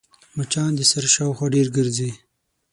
مچان د سر شاوخوا ډېر ګرځي